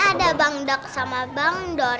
ya kan ada bang dek sama bang dor yang nemenin om esther